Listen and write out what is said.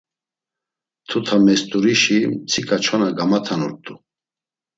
Mtutamest̆urişi mtsika çona gamatanurt̆u.